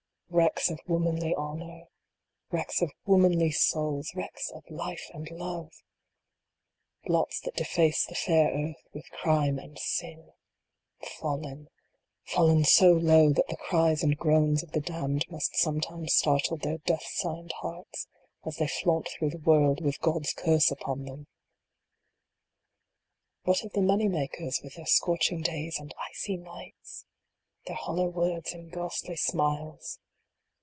Wrecks of womanly honor ! Wrecks of womanly souls ! Wrecks of life and love ! Blots that deface the fair earth with crime and sin ! Fallen fallen so low that the cries and groans of the damned must sometimes startle their death signed hearts, as they flaunt through the world, with God s curse upon them! What of the money makers, with their scorching days and icy nights ? Their hollow words and ghastly smiles